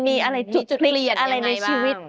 มันมีอะไรจุดเคลียดอะไรในชีวิต